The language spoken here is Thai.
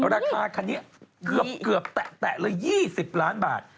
ราคาคันนี้เกือบแตะเลย๒๐ล้านบาท